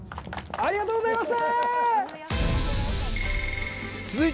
ありがとうございます